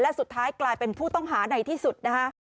และสุดท้ายกลายเป็นผู้ต้องหาในที่สุดนะคะ